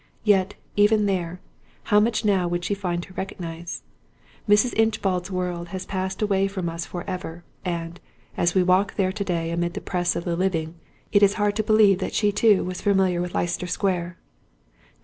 Yet, even there, how much now would she find to recognize? Mrs. Inchbald's world has passed away from us for ever; and, as we walk there to day amid the press of the living, it is hard to believe that she too was familiar with Leicester Square.